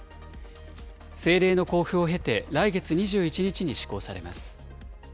政令の公布を経て、来月２１日に施行されます。